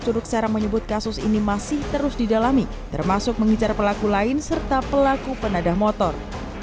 curug serang menyebut kasus ini masih terus didalami termasuk mengincar pelaku lain serta pelaku penadah motor